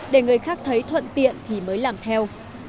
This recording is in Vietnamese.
để người khác thấy thuận tiện thì mới làm theo